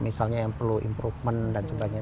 misalnya yang perlu improvement dan sebagainya